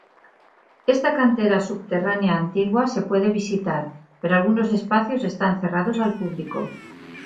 Esta cantera subterránea antigua se puede visitar, pero algunos espacios están cerrados al público.